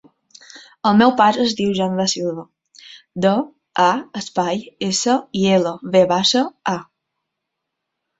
El meu pare es diu Jan Da Silva: de, a, espai, essa, i, ela, ve baixa, a.